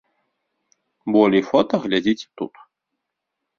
Болей фота глядзіце тут.